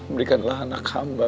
berikanlah anak hamba